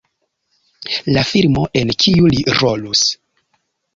la filmo en kiu li rolus